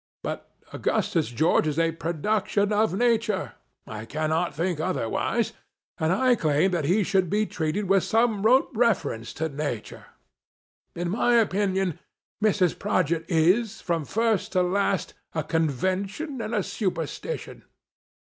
But, Augustus George is a produc tion of Nature, (I cannot think otherwise) and I claim that he should be treated with some remote reference to Nature. In my opinion, Mrs. Prodgit is, from first to last, a conven tion and a superstition.